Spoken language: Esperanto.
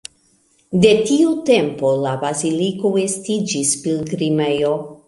De tiu tempo la baziliko estiĝis pilgrimejo.